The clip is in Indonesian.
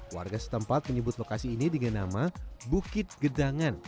warga setempat menyebut lokasi ini dengan nama bukit gedangan